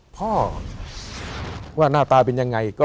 พ่อว่าหน้าตาเป็นยังไง